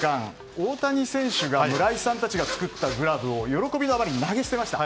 大谷選手が村井さんたちが作ったグラブを喜びの余り投げ捨てました。